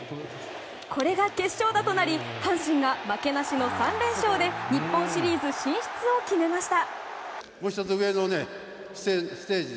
これが決勝打となり阪神が負けなしの３連勝で日本シリーズ進出を決めました。